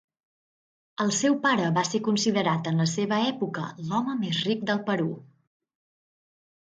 El seu pare va ser considerat en la seva època l'home més ric del Perú.